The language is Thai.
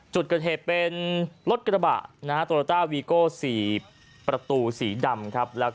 จุดเกิดเหตุเป็นรถกระบะโตราต้าวีโก้๔ประตูสีดำครับ